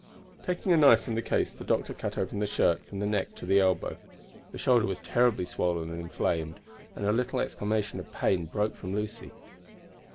Taking a knife from the case, the doctor cut open the shirt from the neck to the elbow. The shoulder was terribly swollen and inflamed, and a little exclamation of pain broke from Lucy.